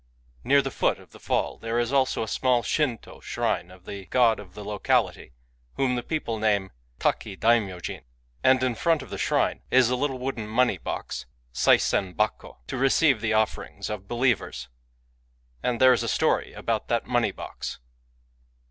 Near the foot of the fall there is a small Shinto shrine of the god of the locality, whom the people name Taki Daimyojin ; and in front of the shrine is a little wooden money box — saisen bako — to receive the offerings of believers. And there is a story about that money box.